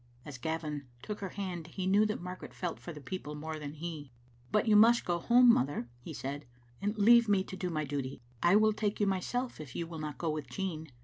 As Gavin took her hand he knew that Margaret felt for the people more than he. "But you must go home, mother," he said, "and leave me to do my duty. I will take you myself if you will not go with Jean.